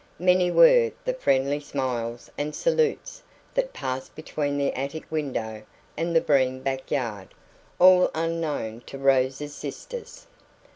Many were the friendly smiles and salutes that passed between the attic window and the Breen back yard, all unknown to Rose's sisters.